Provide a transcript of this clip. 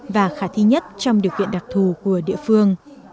và khả thi nhất trong điều kiện đặc thù của địa phương